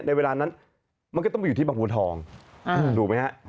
เวลานั้นมันก็ต้องไปอยู่ที่บางบัวทองถูกไหมฮะ